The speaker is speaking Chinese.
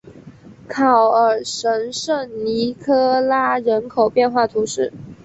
考尔什圣尼科拉人口变化图示